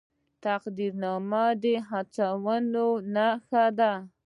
تقدیرنامه د هڅونې نښه ده